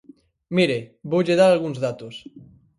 Mire, voulle dar algúns datos.